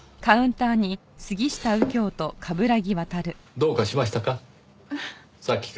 どうかしましたか？